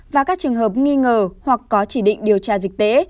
và các trường hợp nghi ngờ hoặc có chỉ định điều tra dịch tễ